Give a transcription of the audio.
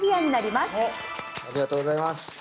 ありがとうございます。